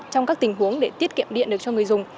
trong các tình huống để tiết kiệm điện được cho người dùng